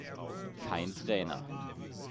Kein Trainer